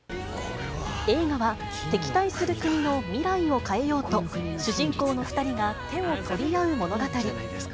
映画は、敵対する国の未来を変えようと、主人公の２人が手を取り合う物語。